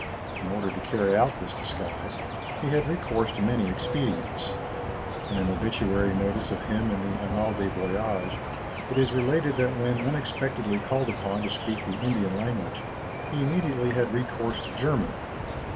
In order to carry out this disguise, he had recourse to many expedients. In an obituary notice of him in the "Annales des Voyages," it is related that when unexpectedly called upon to speak the Indian language, he immediately had recourse to German.